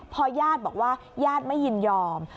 พอญาติบอกว่าญาติไม่ยินยอม